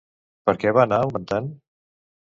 Per què va anar augmentant?